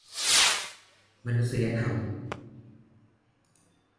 มนุษยธรรม ?